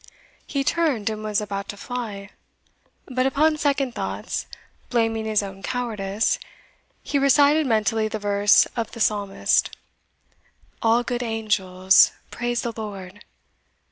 He turned, and was about to fly; but upon second thoughts, blaming his own cowardice, he recited mentally the verse of the Psalmist, "All good angels, praise the Lord!"